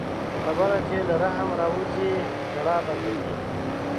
خبره چې له رحم راووځي، ژړا بندوي